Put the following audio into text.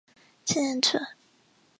次年卒。